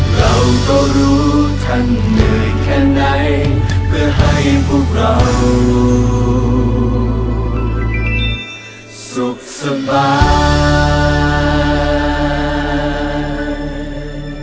เราก็รู้ท่านเหนื่อยแค่ไหนเพื่อให้พวกเราสุขสบาย